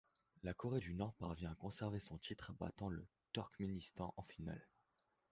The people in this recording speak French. La Corée du Nord parvient à conserver son titre, battant le Turkménistan en finale.